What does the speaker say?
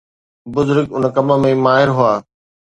بزرگ ان ڪم ۾ ماهر هئا.